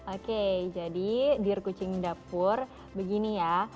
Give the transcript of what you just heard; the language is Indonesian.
oke jadi dear kucing dapur begini ya